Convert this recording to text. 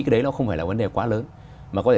cái đấy nó không phải là vấn đề quá lớn mà có thể